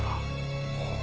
ああ。